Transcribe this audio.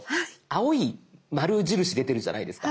青い丸印出てるじゃないですか。